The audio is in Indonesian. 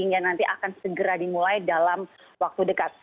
hingga nanti akan segera dimulai dalam waktu dekat